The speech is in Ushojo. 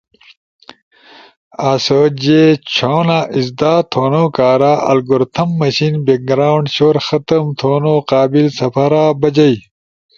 آسو جیچھونا ازدا تھونوکارا الگور تھم مشین بیک گراونڈ شور ختم تھونو قابل سپارا بجئی۔